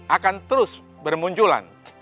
akan terus bermunculan